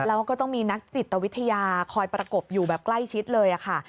แล้วก็ต้องมีนักจิตวิทยาคอยประกบอยู่แบบใกล้ชิดเลยค่ะ